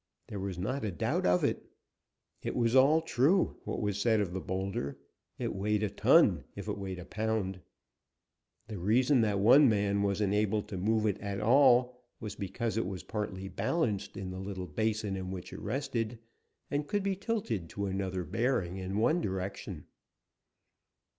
There was not a doubt of it. It was all true, what was said of the boulder. It weighed a ton if it weighed a pound. The reason that one man was enabled to move it at all was because it was partly balanced in the little basin in which it rested, and could be tilted to another bearing in one direction.